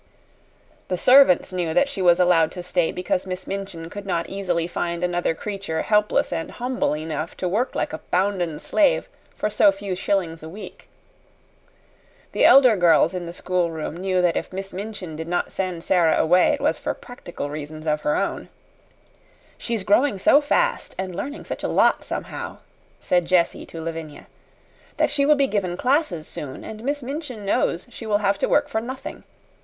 The servants knew that she was allowed to stay because Miss Minchin could not easily find another creature helpless and humble enough to work like a bounden slave for so few shillings a week. The elder girls in the schoolroom knew that if Miss Minchin did not send Sara away it was for practical reasons of her own. "She's growing so fast and learning such a lot, somehow," said Jessie to Lavinia, "that she will be given classes soon, and Miss Minchin knows she will have to work for nothing.